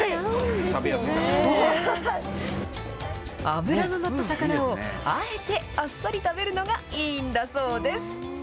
脂の乗った魚をあえてあっさり食べるのがいいんだそうです。